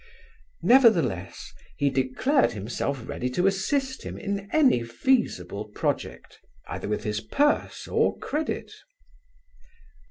Nevertheless, he declared himself ready to assist him in any feasible project, either with his purse or credit.